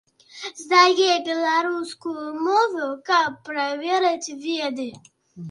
Здае беларускую мову, каб праверыць веды!